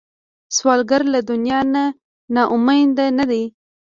سوالګر له دنیا نه نا امیده نه دی